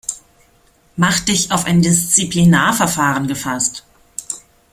Mach dich auf ein Disziplinarverfahren gefasst.